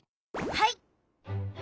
はい！